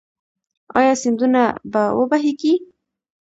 آیا سیندونه به و بهیږي؟